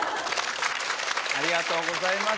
ありがとうございます。